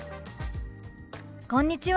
「こんにちは。